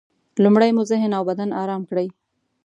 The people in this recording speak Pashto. لومړی مو ذهن او بدن ارام کړئ.